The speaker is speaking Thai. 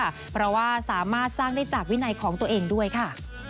เพราะว่าสามารถสร้างได้จากวินัยของตัวเองด้วยค่ะ